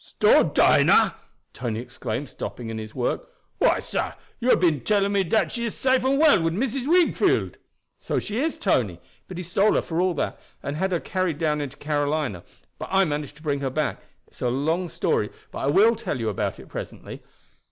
"Stole Dinah!" Tony exclaimed, stopping in his work. "Why, sah, you hab been telling me dat she is safe and well wid Mrs. Wingfield." "So she is, Tony. But he stole her for all that, and had her carried down into Carolina; but I managed to bring her back. It's a long story, but I will tell you about it presently.